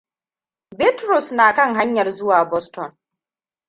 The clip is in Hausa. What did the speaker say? Bitrus na kan hanyar zuwa Boston.